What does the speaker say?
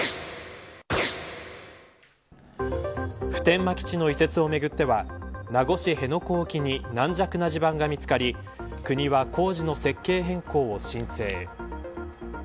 普天間基地の移設をめぐっては名護市辺野古沖に軟弱な地盤が見つかり国は工事の設計変更を申請。